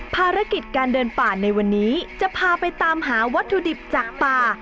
ภารกิจการเดินป่าในวันนี้จะพาไปตามหาวัตถุดิบจากป่า